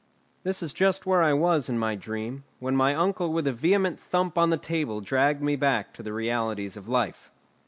That is just where I was in my dream, when my uncle with a vehement thump on the table dragged me back to the realities of life.